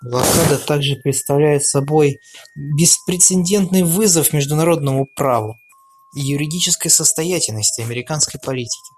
Блокада также представляет собой беспрецедентный вызов международному праву и юридической состоятельности американской политики.